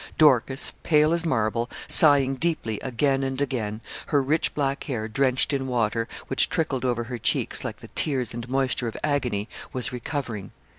Dorcas, pale as marble, sighing deeply again and again, her rich black hair drenched in water, which trickled over her cheeks, like the tears and moisture of agony, was recovering.